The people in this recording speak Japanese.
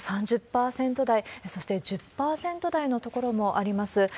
３０％台、そして１０％台の所もあります。